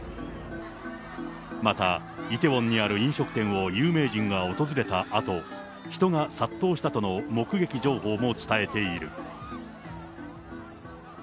また、イテウォンにある飲食店を有名人が訪れたあと、人が殺到したとの目撃情報も伝えている。